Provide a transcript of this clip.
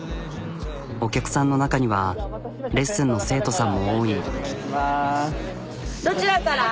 お客さんの中にはレッスンの生徒さんも多い。